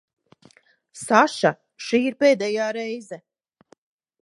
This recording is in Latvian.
Saša, šī ir pēdējā reize.